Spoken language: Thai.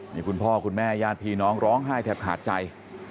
นี่คุณพ่อคุณแม่ญาติพี่น้องร้องไห้แทบขาดใจ